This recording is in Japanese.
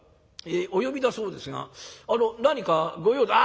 お呼びだそうですが何か御用で？」。